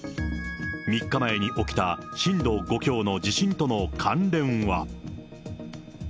３日前に起きた震度５強の地震との関連は。